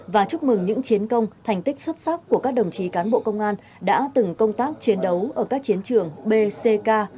và chúc mừng những chiến công thành tích xuất sắc của các đồng chí cán bộ công an đã từng công tác chiến đấu ở các chiến trường bc